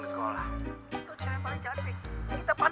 kita pantas pacaran